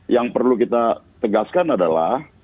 yang perlu kita tegaskan adalah